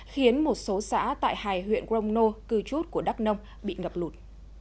khiến một số xã tại hài huyện crono cư chút của đắk nông bị ngập lụt